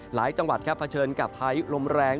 หลายจังหวัดครับเผชิญกับพายุลมแรง